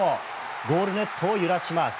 ゴールネットを揺らします。